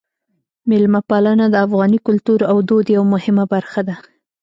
میلمه پالنه د افغاني کلتور او دود یوه مهمه برخه ده.